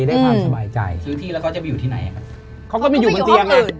ซื้อที่แล้วก็จะไปอยู่ที่ไหนกันเขาก็ไม่อยู่บนเตียงอ่ะเขาก็ไม่อยู่บนเตียงอ่ะ